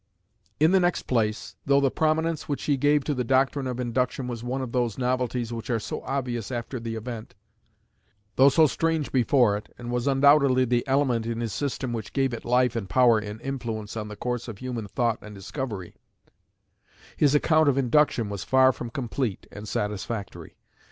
In the next place, though the prominence which he gave to the doctrine of Induction was one of those novelties which are so obvious after the event, though so strange before it, and was undoubtedly the element in his system which gave it life and power and influence on the course of human thought and discovery, his account of Induction was far from complete and satisfactory.